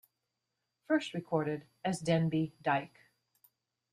First recorded as Denby Dyke.